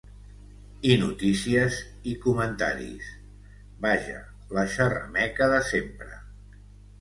I notícies, i comentaris… Vaja: la xerrameca de sempre.